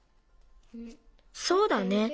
そうだね。